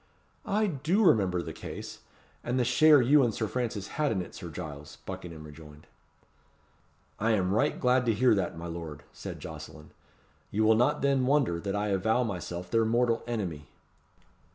"I do remember the case, and the share you and Sir Francis had in it, Sir Giles," Buckingham rejoined. "I am right glad to hear that, my lord," said Jocelyn. "You will not then wonder that I avow myself their mortal enemy."